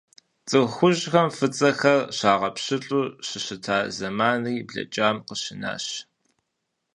ЦӀыху хужьхэм фӀыцӀэхэр щагъэпщылӀу щыщыта зэманри блэкӀам къыщынащ.